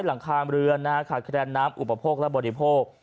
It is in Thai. หลังคาเรือนขาดแคลนน้ำอุปโภคและบริโภค